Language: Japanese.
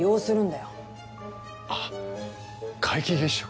ああ皆既月食。